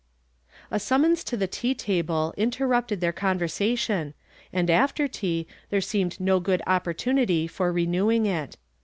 A sununon,' to the tea table interrupted their conversation, and after tea there seemed no good opportunity for renewing it.